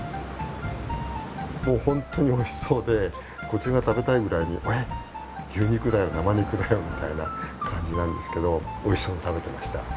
もう本当においしそうでこちらが食べたいぐらいに「えっ牛肉だよ生肉だよ」みたいな感じなんですけどおいしそうに食べてました。